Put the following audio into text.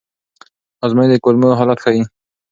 ازموینې د کولمو حالت ښيي.